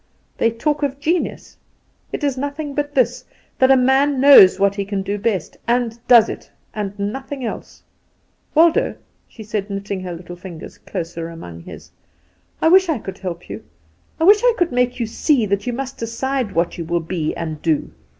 They talk of genius it is nothing but this, that a man knows what he can do best, and does it, and nothing else. Waldo," she said, knitting her little fingers closer among his, "I wish I could help you; I wish I could make you see that you must decide what you will be and do.